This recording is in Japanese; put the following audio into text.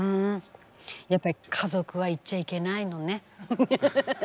やっぱり家族は言っちゃいけないのね。